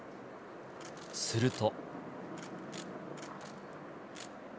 すると。